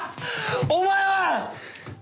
お前は！